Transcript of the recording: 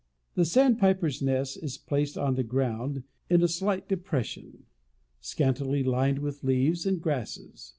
The Sandpiper's nest is placed on the ground in a slight depression, scantily lined with leaves and grasses.